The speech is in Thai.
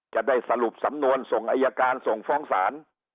จะได้สรุปสำนวนส่งอายการส่งฟ้องศาล